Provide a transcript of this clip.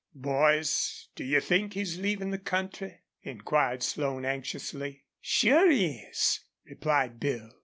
"Boys, do you think he's leavin' the country?" inquired Slone, anxiously. "Sure he is," replied Bill.